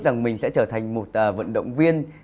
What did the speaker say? rằng mình sẽ trở thành một vận động viên